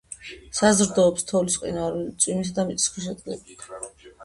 საზრდოობს თოვლის, მყინვარული, წვიმისა და მიწისქვეშა წყლებით.